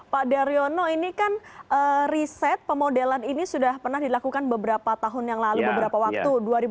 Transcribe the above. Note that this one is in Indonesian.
pak daryono ini kan riset pemodelan ini sudah pernah dilakukan beberapa tahun yang lalu beberapa waktu